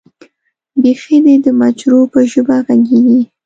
بېخي دې د مجروح به ژبه غږېږې.